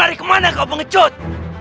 mari kemana kau pengecut